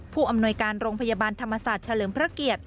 ผู้อำนวยการโรงพยาบาลธรรมศาสตร์เฉลิมพระเกียรติ